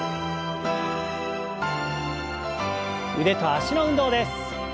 腕と脚の運動です。